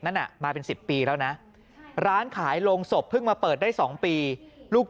นั้นมาเป็น๑๐ปีแล้วนะร้านขายโรงศพเพิ่งมาเปิดได้๒ปีลูก